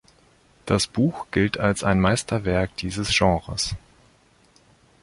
Das Buch gilt als ein Meisterwerk dieses Genres.